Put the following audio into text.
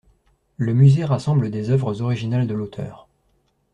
Le musée rassemble des œuvres originales de l'auteur.